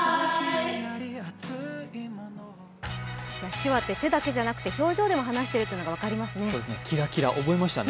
手話って手だけじゃなくて表情でも話してるのが分かりましたね。